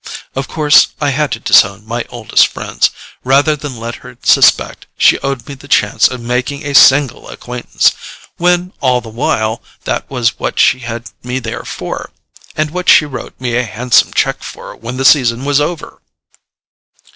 Of course I had to disown my oldest friends, rather than let her suspect she owed me the chance of making a single acquaintance—when, all the while, that was what she had me there for, and what she wrote me a handsome cheque for when the season was over!"